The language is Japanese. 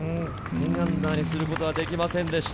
−１０にすることはできませんでした。